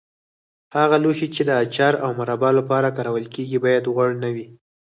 هغه لوښي چې د اچار او مربا لپاره کارول کېږي باید غوړ نه وي.